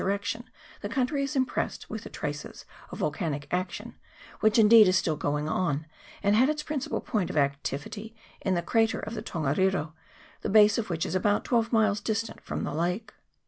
direction the country is impressed with the traces of volcanic action, which indeed is still going on, and had its principal point of activity in the crater of the Ton gariro, the base of which is about twelve miles distant from the lake.